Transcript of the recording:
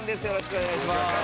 よろしくお願いします。